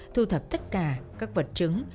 thu thập tất cả các vật chứng